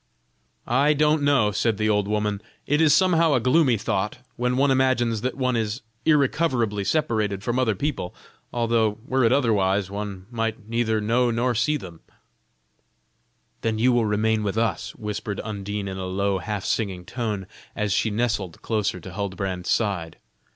"I don't know," said the old woman; "it is somehow a gloomy thought, when one imagines that one is irrecoverably separated from other people, although, were it otherwise, one might neither know nor see them." "Then you will remain with us! then you will remain with us!" whispered Undine, in a low, half singing tone, as she nestled closer to Huldbrand's side.